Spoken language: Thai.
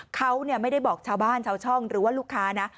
เขาไม่ได้บอกชาวบ้านชาวช่องหรือว่าลูกค้านะ